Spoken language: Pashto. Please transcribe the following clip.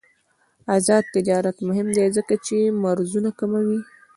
آزاد تجارت مهم دی ځکه چې مرزونه کموي.